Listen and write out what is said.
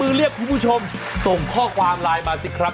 เรียกคุณผู้ชมส่งข้อความไลน์มาสิครับ